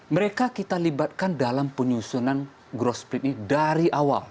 mereka kita libatkan dalam penyusunan growth sprint ini dari awal